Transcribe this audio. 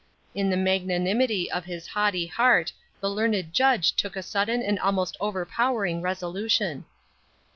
In the magnanimity of his haughty heart the learned judge took a sudden and almost overpowering resolution.